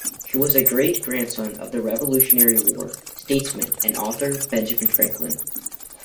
He was a great-grandson of the Revolutionary War statesman and author, Benjamin Franklin.